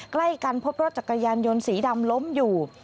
ใกล้กันพบรถจักรยานยนต์สีดำล้มอยู่